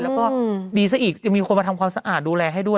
แล้วก็ดีซะอีกจะมีคนมาทำความสะอาดดูแลให้ด้วย